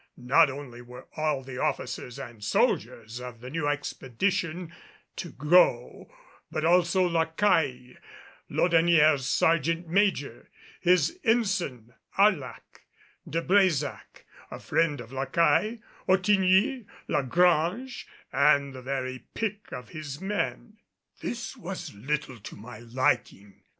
Not only were all the officers and soldiers of the new expedition to go but also La Caille, Laudonnière's sergeant major, his Ensign Arlac, De Brésac a friend of La Caille, Ottigny, La Grange and the very pick of his men. This was little to my liking.